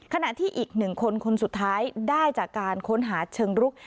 ขณะที่อีก๑คนคนสุดท้ายได้จากการค้นหาเชิงรุก